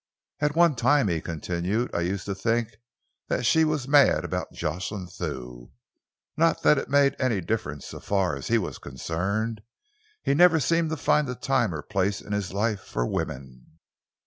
"At one time," he continued, "I used to think that she was mad about Jocelyn Thew. Not that that made any difference so far as he was concerned. He never seemed to find time or place in his life for women."